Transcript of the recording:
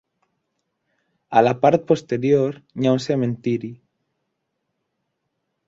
A la part posterior hi ha un cementiri.